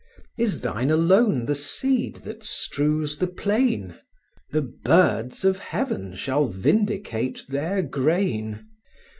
Is thine alone the seed that strews the plain? The birds of heaven shall vindicate their grain.